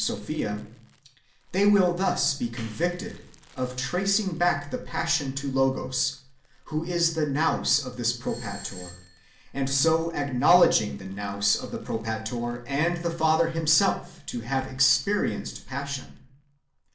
Sopliia, they will thus be convicted of tracing back the passion to Logos, who is the^ Nous of this Propator, and so acknowledging the Nous of the Propator and the Father Himself to have experienced passion.